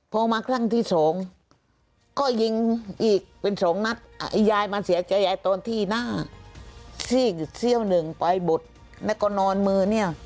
ใจใยตอนที่หน้าซี่เซียมหนึ่งไปบดแล้วก็นอนมือเนี่ย